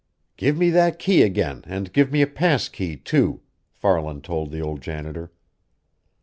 "Give me that key again and give me a pass key, too," Farland told the old janitor.